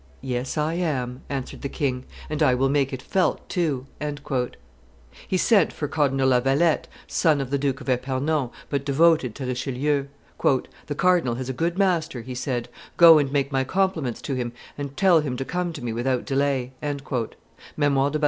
"Yes, I am," answered the king, "and I will make it felt too." He sent for Cardinal La Vallette, son of the Duke of Epernon, but devoted to Richelieu. "The cardinal has a good master," he said: "go and make my compliments to him, and tell him to come to me without delay." [Memoires de Bassompierre, t. iii. p. 276.